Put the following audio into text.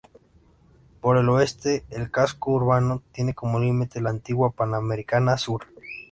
Por el oeste, el casco urbano tiene como límite a la Antigua Panamericana Sur.